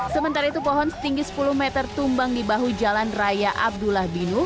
sementara itu pohon setinggi sepuluh meter tumbang di bahu jalan raya abdullah binu